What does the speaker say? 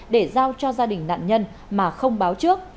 để giao cho gia đình nạn nhân mà không báo trước